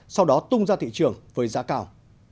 sau đó tung ra thị trường với giá cao